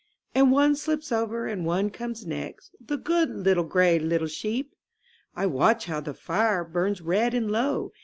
And one slips over and one comes next, The good little, gray little sheep! I watch how the fire burns red and low.